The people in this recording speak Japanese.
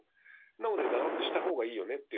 なので長くした方がいいよねって